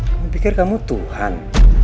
kamu pikir kamu tuhan